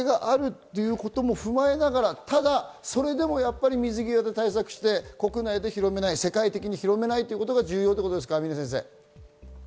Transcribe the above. これがあることも踏まえながら、ただ、それでも水際対策をして国内で広めない、世界的に広めないことが重要ということですか？